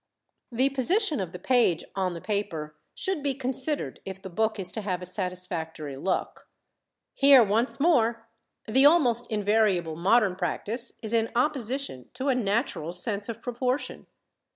The position of the page on the paper should be considered if the book is to have a satisfactory look. Here once more the almost invariable modern practice is in opposition to a natural sense of proportion.